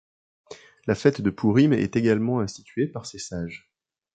La fête de Pourim est également instituée par ces sages.